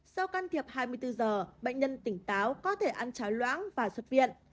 sau can thiệp hai mươi bốn giờ bệnh nhân tỉnh táo có thể ăn cháo loãng và xuất viện